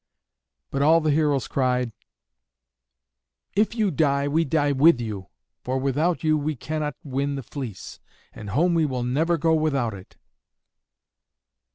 But all the heroes cried, "If you die we die with you, for without you we cannot win the fleece, and home we will never go without it."